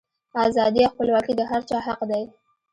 ازادي او خپلواکي د هر چا حق دی.